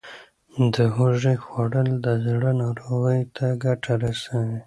د هوږې خوړل د زړه ناروغیو ته ګټه رسوي.